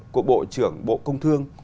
của bộ trưởng bộ công thương